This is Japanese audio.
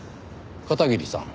片桐さん。